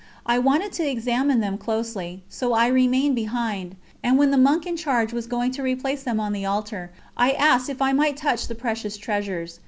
I wanted to examine them closely, so I remained behind, and when the monk in charge was going to replace them on the Altar, I asked if I might touch the precious treasures.